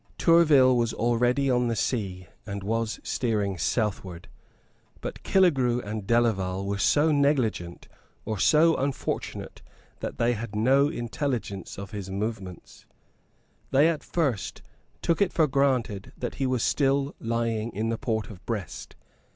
Tourville was already on the sea, and was steering southward. But Killegrew and Delaval were so negligent or so unfortunate that they had no intelligence of his movements. They at first took it for granted that he was still lying in the port of Brest.